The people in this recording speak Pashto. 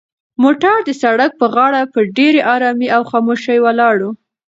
موټر د سړک په غاړه په ډېرې ارامۍ او خاموشۍ ولاړ و.